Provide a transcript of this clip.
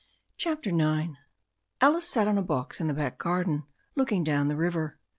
CHAPTER IX ALICE sat on a box in the back garden looking down the river.